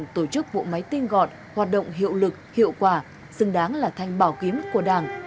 tổ chức bộ máy tinh gọn hoạt động hiệu lực hiệu quả xứng đáng là thanh bảo kiếm của đảng